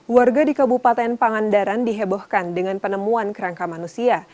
warga di kabupaten pangandaran dihebohkan dengan penemuan kerangka manusia